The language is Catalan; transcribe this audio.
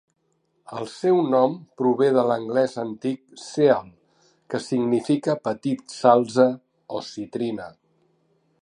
El seu nom prové de l'anglès antic "sealh", que significa petit salze o citrina.